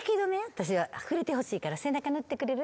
私は触れてほしいから背中塗ってくれる？